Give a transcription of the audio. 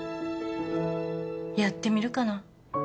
やってみるかな。